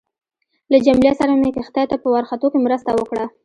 له جميله سره مې کښتۍ ته په ورختو کې مرسته وکړه.